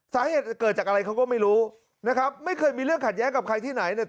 สาเหตุเกิดจากอะไรเขาก็ไม่รู้นะครับไม่เคยมีเรื่องขัดแย้งกับใครที่ไหนเนี่ย